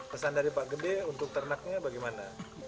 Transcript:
pesan dari pak gede untuk ternaknya bagaimana